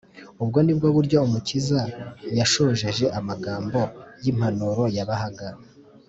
ubwo nibwo buryo umukiza yashojeje amagambo y’impanuro yabahaga